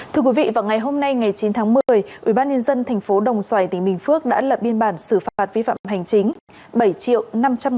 thưa quý vị vào ngày hôm nay ngày chín tháng một mươi ubnd tp đồng xoài tỉnh bình phước đã lập biên bản xử phạt vi phạm hành chính